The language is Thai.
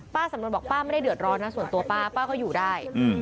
สำนวนบอกป้าไม่ได้เดือดร้อนนะส่วนตัวป้าป้าก็อยู่ได้